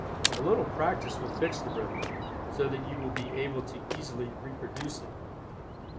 A little practice will fix the rhythm, so that you will be able to easily reproduce it.